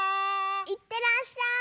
いってらっしゃい！